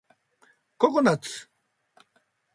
ココナッツ